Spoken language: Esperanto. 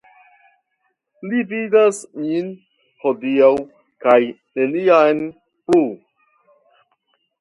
Ni vidas nin hodiaŭ kaj neniam plu.